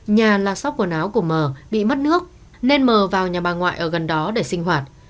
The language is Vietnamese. nhà là sóc quần áo của mờ bị mất nước nên mờ vào nhà bà ngoại ở gần đó để sinh hoạt